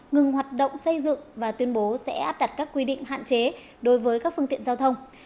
ngừng hoạt động xây dựng và tuyên bố sẽ áp đặt các quy định hạn chế đối với các phương tiện giao thông